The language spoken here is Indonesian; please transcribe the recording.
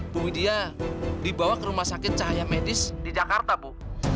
bu widia dibawa ke rumah sakit cahaya medis di jakarta bu